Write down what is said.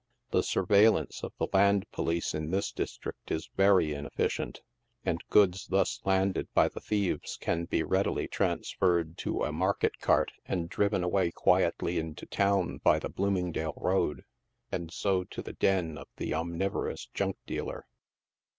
The surveillance of the land police in this district is very inefficient, and good? thus landed by the thieve3 can be readily transferred to a market cart, and THE RIVER THIEVES. 109 driven quietly into town by the Bloomingdale Road, and so to the den of the omnivorous junk dealer.